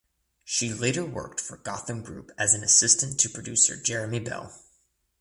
She later worked for Gotham Group as an assistant to producer Jeremy Bell.